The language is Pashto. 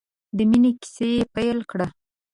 د مینې کیسه یې پیل کړه.